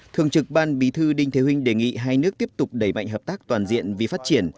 thường trực ban bí thư đinh thế hình đề nghị hai nước tiếp tục đẩy mạnh hợp tác toàn diện vì phát triển